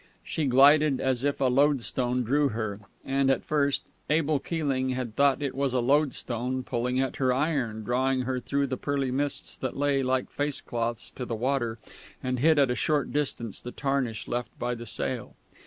She glided as if a loadstone drew her, and, at first, Abel Keeling had thought it was a loadstone, pulling at her iron, drawing her through the pearly mists that lay like face cloths to the water and hid at a short distance the tarnish left by the sail.